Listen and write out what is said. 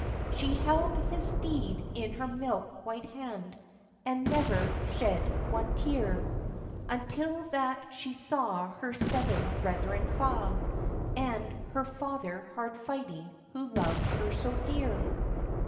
— She held his steed in her milk white hand, And never shed one tear, Until that she saw her seven brethren fa', And her father hard fighting, who loved her so dear.